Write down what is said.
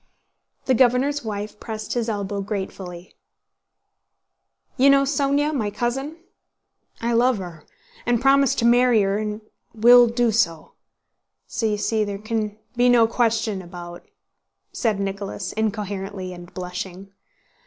The governor's wife pressed his elbow gratefully. "You know Sónya, my cousin? I love her, and promised to marry her, and will do so.... So you see there can be no question about—" said Nicholas incoherently and blushing.